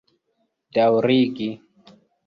daŭrigi